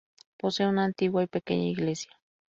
Posee una antigua y pequeña iglesia.